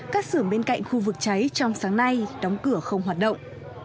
các xưởng bên cạnh khu vực cháy trong sáng nay đóng cửa không hoạt động